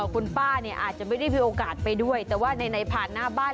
คุณป้าเนี่ยอาจจะไม่ได้มีโอกาสไปด้วยแต่ว่าไหนผ่านหน้าบ้าน